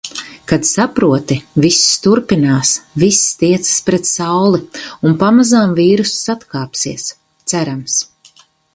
Kad saproti – viss turpinās, viss tiecas pret sauli. Un pamazām vīruss atkāpsies. Cerams.